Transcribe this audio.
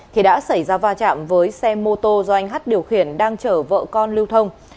thì đã xảy ra va chạm với xe mô tô do anh hát điều khiển đang chở vợ con lưu thông